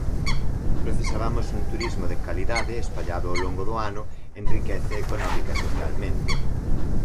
Precisabamos un turismo de calidade espallado ao longo do ano enriquece económica e socialmente.